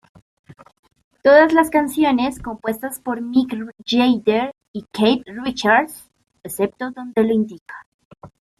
Todas las canciones compuestas por Mick Jagger y Keith Richards, excepto donde lo indica.